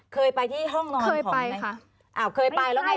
เคยไปที่ห้องนอนเคยไปค่ะอ้าวเคยไปแล้วไง